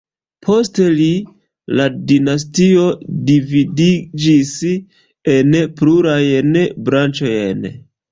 Post li la dinastio dividiĝis en plurajn branĉojn.